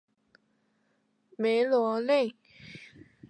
梅罗内。